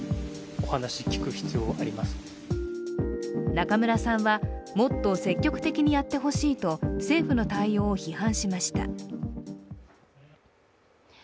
中村さんはもっと積極的にやってほしいと政府の対応を批判しました。